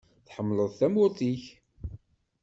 Tḥemmleḍ tamurt-ik?